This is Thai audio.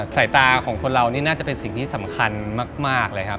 สายตาของคนเรานี่น่าจะเป็นสิ่งที่สำคัญมากเลยครับ